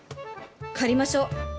借りましょう！